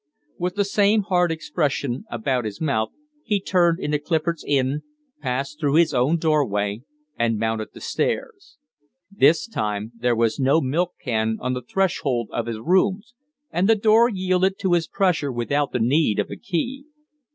With the same hard expression about his mouth, he turned into Clifford's Inn, passed through his own doorway, and mounted the stairs. This time there was no milk can on the threshold of his rooms and the door yielded to his pressure without the need of a key.